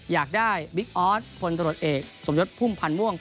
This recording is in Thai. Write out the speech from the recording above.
อยากได้บิ๊กออสพลตรวจเอกสมยศพุ่มพันธ์ม่วง